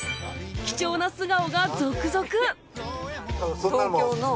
貴重な素顔が続々！